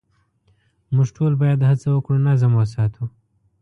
موږ ټول باید هڅه وکړو نظم وساتو.